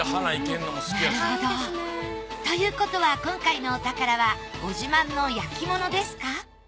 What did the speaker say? なるほど。ということは今回のお宝はご自慢の焼物ですか？